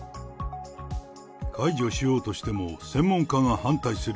解除しようとしても専門家が反対する。